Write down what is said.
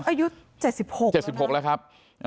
อายุ๗๖๗๖แล้วครับ